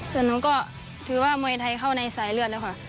ส่วนหนูก็ถือว่ามวยไทยเข้าในสายเลือดแล้วค่ะ